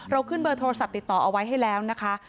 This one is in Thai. ขึ้นเบอร์โทรศัพท์ติดต่อเอาไว้ให้แล้วนะคะ